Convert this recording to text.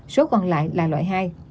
số còn lại là loại hai